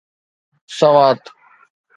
Swat